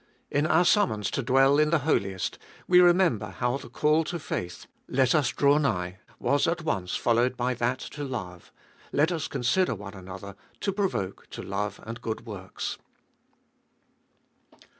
In our summons to dwell in the Holiest, we remember how the call to faith, Let us draw nigh, was at once followed by that to love, Let us consider one another, to provoke to love and good works.